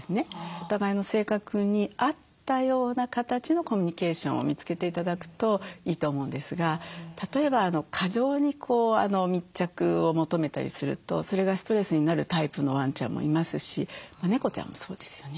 お互いの性格に合ったような形のコミュニケーションを見つけて頂くといいと思うんですが例えば過剰に密着を求めたりするとそれがストレスになるタイプのワンちゃんもいますし猫ちゃんもそうですよね。